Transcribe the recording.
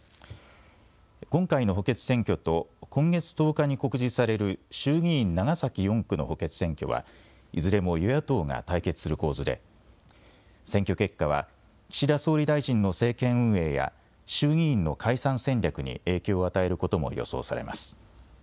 今回の補欠選挙と今月１０日に告示される衆議院長崎４区の補欠選挙は、いずれも与野党が対決する構図で選挙結果は岸田総理大臣の政権運営や衆議院の解散戦略に影響を与えることも予想されます。